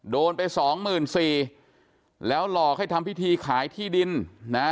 โดนไปสองหมื่นสี่แล้วหลอกให้ทำพิธีขายที่ดินนะ